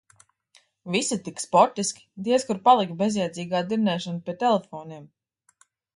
Visi tik sportiski, diez kur palika bezjēdzīgā dirnēšana pie telefoniem.